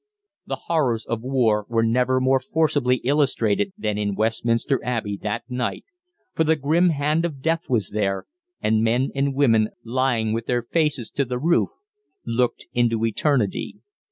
The horrors of war were never more forcibly illustrated than in Westminster Abbey that night, for the grim hand of death was there, and men and women lying with their faces to the roof looked into Eternity.